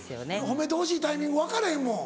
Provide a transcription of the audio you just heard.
褒めてほしいタイミング分からへんもん。